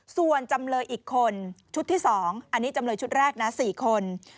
ส่วนจำเลยอีกคนชุดที่๒อันนี้จำเลยชุดแรกนะ๔คน